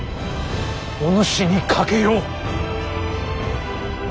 おぬしに賭けよう。